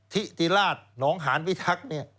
ที่ทิราชน้องหารวิทัก